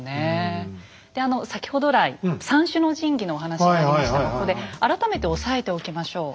であの先ほど来三種の神器のお話ありましたがここで改めて押さえておきましょう。